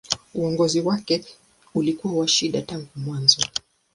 Uongozi wake ulikuwa wa shida tangu mwanzo.